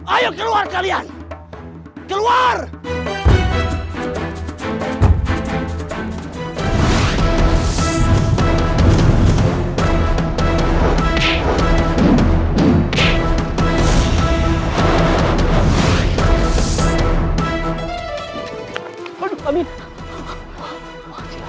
ayo keluar kalian keluar